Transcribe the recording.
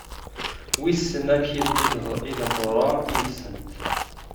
Wissen amek i teḍra yid-sent?